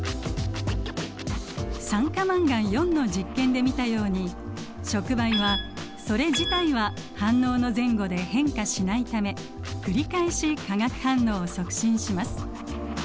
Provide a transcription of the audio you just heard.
酸化マンガンの実験で見たように触媒はそれ自体は反応の前後で変化しないため繰り返し化学反応を促進します。